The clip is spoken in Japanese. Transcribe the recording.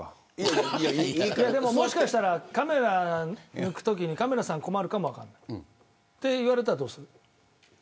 もしかしたらカメラ抜くときにカメラさん困るかも分からないと言われたらどうする。